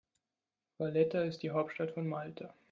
Valletta ist die Hauptstadt von Malta.